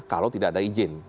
kalau tidak ada izin